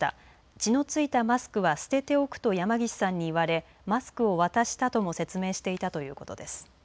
血の付いたマスクは捨てておくと山岸さんに言われマスクを渡したとも説明していたということです。